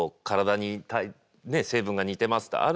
体に成分が似てますって。